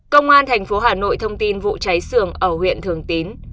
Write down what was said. công an thành phố hà nội thông tin vụ cháy sườn ở huyện thường tín